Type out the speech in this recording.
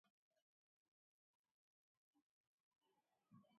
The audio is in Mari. А-а-а, умылем, кооперативла мучыштыш аман?